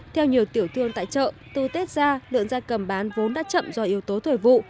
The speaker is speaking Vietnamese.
theo nhiều tiểu thương tại chợ từ tết ra lợn da cầm bán vốn đã chậm do yếu tố thời vụ